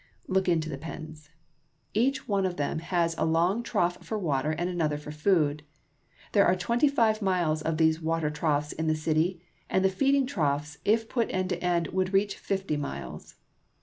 Look into the pens. Each of them has a long trough for water, and another for food. There are twenty five miles of these water troughs in the city, and the feeding troughs, if put end to end, would reach fifty miles.